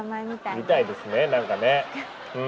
みたいですねなんかね。